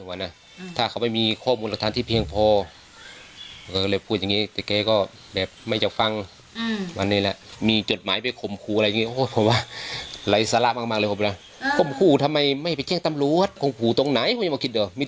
หัวน่ะถ้าเขาไม่มีข้อมูลลัดทานที่เพียงพอก็ก็เลยพูดอย่างงี้